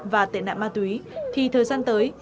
và tiện nạn ma túy thì thời gian tới